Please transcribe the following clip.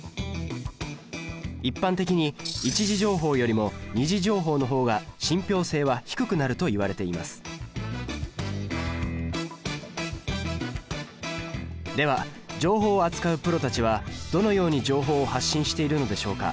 一般的に一次情報よりも二次情報のほうが信憑性は低くなるといわれていますでは情報を扱うプロたちはどのように情報を発信しているのでしょうか？